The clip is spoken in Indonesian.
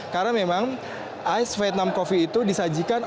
karena memang ais vietnam coffee itu disajikan